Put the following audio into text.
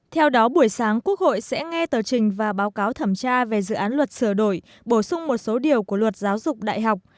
theo đó buổi sáng quốc hội sẽ nghe tờ trình và báo cáo thẩm tra về dự án luật sửa đổi bổ sung một số điều của luật giáo dục đại học